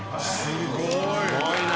すごいな。